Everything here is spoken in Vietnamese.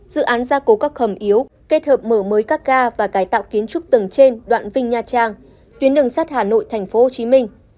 dự án ra cố các hầm yếu kết hợp mở mới các ga và cải tạo kiến trúc tầng trên đoạn vinh nha trang tuyến đường sát hà nội tp hcm